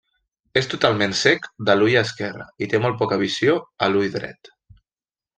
És totalment cec de l'ull esquerre i té molt poca visió a l'ull dret.